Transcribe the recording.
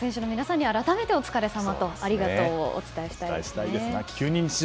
選手の皆さんには改めてお疲れさまとありがとうをお伝えしたいですね。